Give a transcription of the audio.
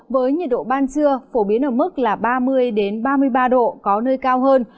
với nhiệt độ ban trưa phổ biến ở mức ba mươi ba mươi ba độ có nơi cao hơn